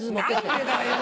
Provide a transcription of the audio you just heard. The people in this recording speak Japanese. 何でだよ！